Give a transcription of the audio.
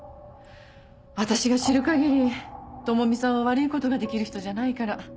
私が知る限り朋美さんは悪い事が出来る人じゃないから。